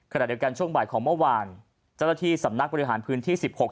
ขณะเดียวกันช่วงบ่ายของเมื่อวานเจ้าหน้าที่สำนักบริหารพื้นที่สิบหก